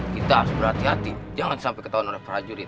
kita harus berhati hati jangan sampai ketahuan oleh prajurit